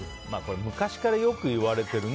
昔からよく言われているね。